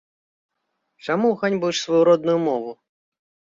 Чаму ганьбуеш сваю родную мову?